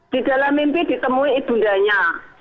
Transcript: di dalam mimpi ditemui ibundanya